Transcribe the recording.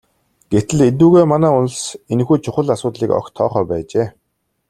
Гэтэл эдүгээ манай улс энэхүү чухал асуудлыг огт тоохоо байжээ.